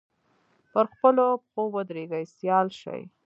پر خپلو پښو ودرېږي سیال شي